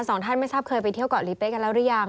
สองท่านไม่ทราบเคยไปเที่ยวเกาะลีเป๊ะกันแล้วหรือยัง